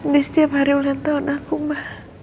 di setiap hari ulang tahun aku mbak